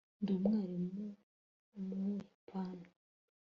ndi umwarimu wubuyapani